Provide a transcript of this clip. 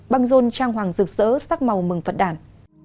băng rôn trang hoàng rực rỡ sắc màu mừng phật đàn